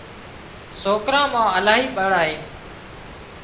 سوڪران مان الاهي ٻۯ آيون